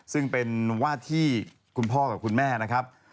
ซึ่งเป็นว่าที่คุณพ่อกับคุณแม่นะครับ